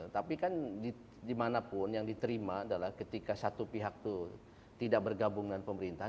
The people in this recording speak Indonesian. tapi kan dimanapun yang diterima adalah ketika satu pihak itu tidak bergabung dengan pemerintahan